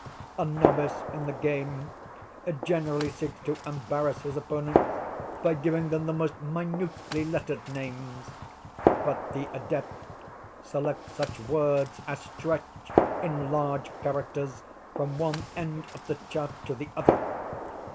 A novice in the game generally seeks to embarrass his opponents by giving them the most minutely lettered names; but the adept selects such words as stretch, in large characters, from one end of the chart to the other.